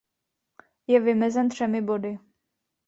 Je vymezen třemi body.